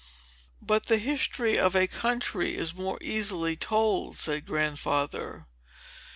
"But the history of a country is more easily told," said Grandfather.